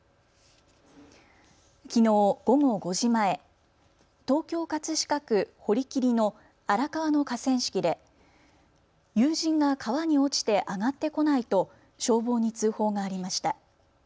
きのう午後５時前、東京葛飾区堀切の荒川の河川敷で友人が川に落ちてあがってこないと消防に通報がありました。